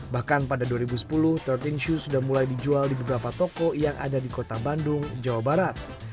bahkan pada dua ribu sepuluh tiga belas shoes sudah mulai dijual di beberapa toko yang ada di kota bandung jawa barat